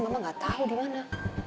mama ga tau dimana